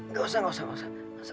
nggak usah nggak usah